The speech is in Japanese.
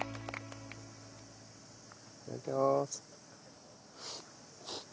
いただきます。